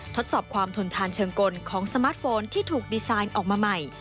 ทดสอบความทนทานเชิงกลของสมาร์ทโฟนที่ถูกดีไซน์ออกมาใหม่